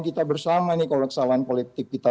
kita bersama nih kalau kesalahan politik kita